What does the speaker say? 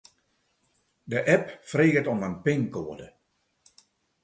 De app freget om in pinkoade.